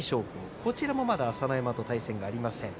こちらもまだ朝乃山と対戦がありません。